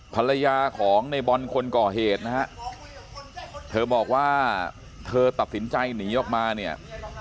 ภรรยาของในบอลคนก่อเหตุนะฮะเธอบอกว่าเธอตัดสินใจหนีออกมาเนี่ย